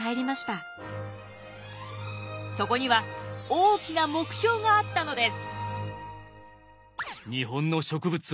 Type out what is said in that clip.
そこには大きな目標があったのです。